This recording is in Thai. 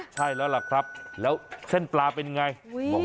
ใช่แล้วล่ะครับแล้วเส้นปลาเป็นไง